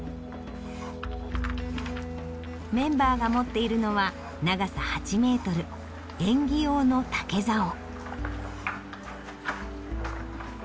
メンバーが持っているのは長さ８メートル演技用の竹ざお。